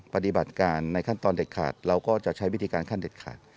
ปฏิบัติการในขั้นตอนเด็ดขาดเราก็จะใช้วิธีการขั้นเด็ดขาด